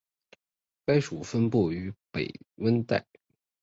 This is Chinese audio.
该属分布于北温带。